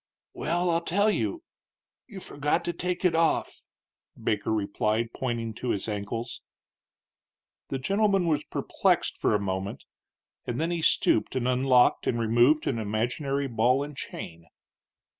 "Well, I'll tell you. You forgot to take it off," Baker replied, pointing to his ankles. The gentleman was perplexed for a moment, and then he stooped and unlocked and removed an imaginary ball and chain.